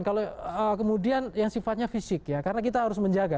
kalau kemudian yang sifatnya fisik ya karena kita harus menjaga